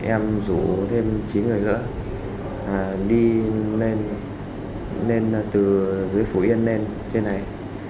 em rủ thêm chín người nữa đi lên từ dưới phủ yên lên trên này